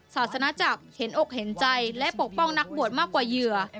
ศาสนาจักรเห็นอกเห็นใจและปกป้องนักบวชมากกว่าเหยื่อ